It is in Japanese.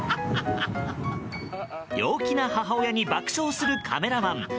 陽気な母親に爆笑するカメラマン。